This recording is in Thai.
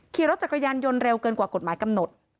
ขี่รถจักรยานยนต์เร็วเกินกว่ากฎหมายกำหนด